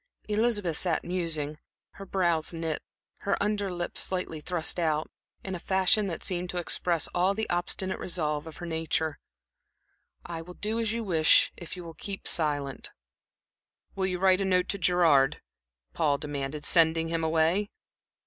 Elizabeth sat musing, her brows knit, her under lip slightly thrust out, in a fashion that seemed to express all the obstinate resolve of her nature. "I will do as you wish, if you will keep silent." "Will you write a note to Gerard," Paul demanded, "sending him away?"